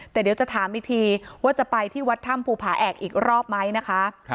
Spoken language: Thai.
แต่เดี๋ยวจะถามอีกทีว่าจะไปที่วัดถ้ำภูผาแอกอีกรอบไหมนะคะ